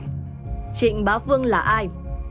trịnh bá phương là ai